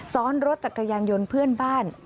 ซ้อนรถจักรยานยนต์เพื่อนบ้าน